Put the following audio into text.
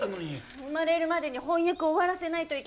生まれるまでに翻訳終わらせないといけないから。